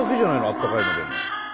あったかいのでも。